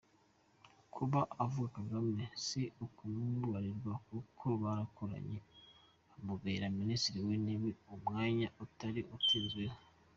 Kuba avuga Kagame si ukumubarirwa, kuko barakoranye amubereye Ministri w’Intebe, umwanya ariko atatinzeho